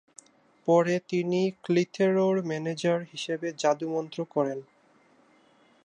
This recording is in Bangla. পরে তিনি ক্লিথেরোর ম্যানেজার হিসেবে জাদুমন্ত্র করেন।